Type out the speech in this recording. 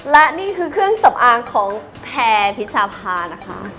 และนี่คือเครื่องสำอางของแพรพิชาพานะคะ